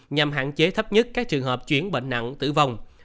nhằm hạn chế thấp nhất các trường hợp chuyển bệnh nặng tử vong